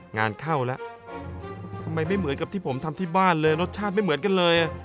งานเข้าแล้วทำไมไม่เหมือนกับที่ผมทำที่บ้านเลยรสชาติไม่เหมือนกันเลย